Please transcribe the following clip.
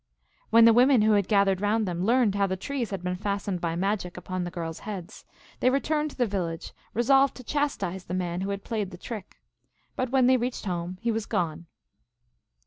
When the women who had gathered round them learned how the trees had been fastened by magic upon the girls heads, they returned to the village, re solved to chastise the man who had played the trick. But when they reached home he was gone.